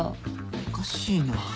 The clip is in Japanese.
おかしいな。